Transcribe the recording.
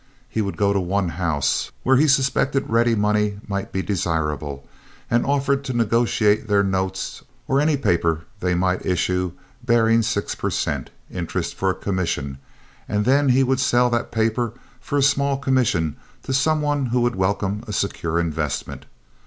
He would go to one house, where he suspected ready money might be desirable, and offer to negotiate their notes or any paper they might issue bearing six per cent. interest for a commission and then he would sell the paper for a small commission to some one who would welcome a secure investment.